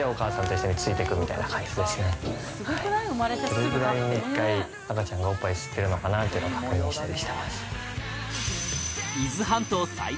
どれぐらいに一回赤ちゃんがおっぱい吸ってるのかなっていうのを確認したり。